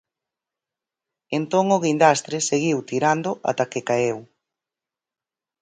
Entón o guindastre seguiu tirando ata que caeu.